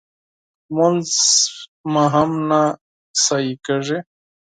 لمونځ مو هم نه صحیح کېږي